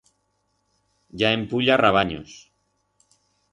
Ya en puya rabanyos.